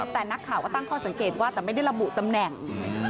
แต่นักข่าวก็ตั้งข้อสังเกตว่าแต่ไม่ได้ระบุตำแหน่ง